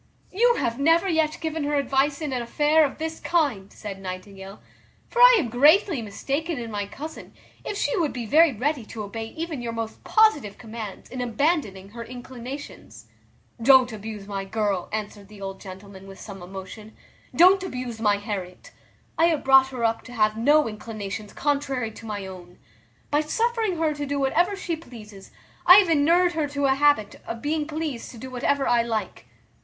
"You have never yet given her advice in an affair of this kind," said Nightingale; "for I am greatly mistaken in my cousin, if she would be very ready to obey even your most positive commands in abandoning her inclinations." "Don't abuse my girl," answered the old gentleman with some emotion; "don't abuse my Harriet. I have brought her up to have no inclinations contrary to my own. By suffering her to do whatever she pleases, I have enured her to a habit of being pleased to do whatever I like."